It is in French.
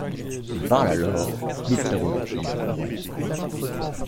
On parle alors de prérogative royale.